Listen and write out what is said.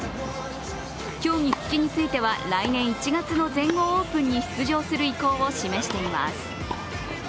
競技復帰については、来年１月の全豪オープンに出場する意向を示しています。